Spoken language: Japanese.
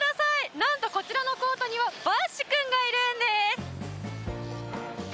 なんとこちらのコートにはバッシュくんがいるんです。